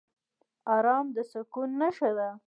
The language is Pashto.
ارام د سکون نښه ده.